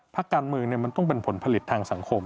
พักการเมืองมันต้องเป็นผลผลิตทางสังคม